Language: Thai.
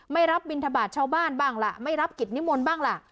ไม่รับบินทบาทชาวบ้านบ้างล่ะไม่รับกิจนิมนต์บ้างล่ะ